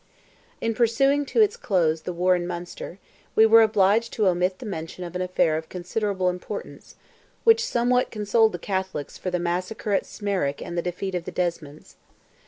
In pursuing to its close the war in Munster, we were obliged to omit the mention of an affair of considerable importance, which somewhat consoled the Catholics for the massacre at Smerwick and the defeat of the Desmonds.